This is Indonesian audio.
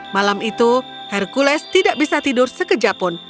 malam itu hercules tidak bisa tidur sekejap pun